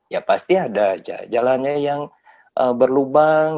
ya pasti ada jalannya yang berlubang